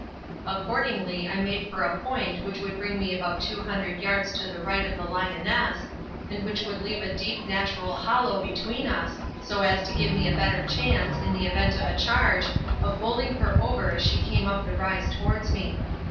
Accordingly I made for a point which would bring me about two hundred yards to the right of the lioness, and which would leave a deep natural hollow between us, so as to give me a better chance, in the event of a charge, of bowling her over as she came up the rise towards me.